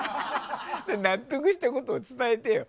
納得したことを伝えてよ。